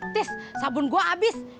tis sabun gue abis